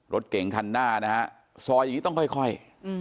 รถเก่งคันหน้านะคะซอยอย่างงี้ต้องค่อยค่อยอืม